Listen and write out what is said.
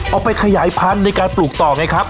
เอาไปขยายพันธุ์ในการปลูกต่อไงครับ